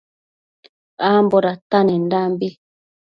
Ambo datanendanbi